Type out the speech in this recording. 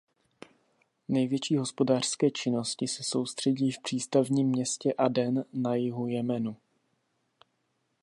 Největší hospodářské činnosti se soustředí v přístavním městě Aden na jihu Jemenu.